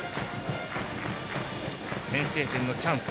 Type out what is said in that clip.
先制点のチャンス